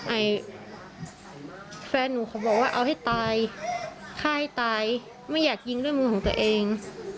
ไอ้แฟนหนูเขาบอกว่าเอาให้ตายฆ่าให้ตายไม่อยากยิงด้วยมือของตัวเอง